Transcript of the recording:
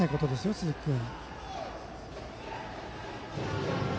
鈴木君は。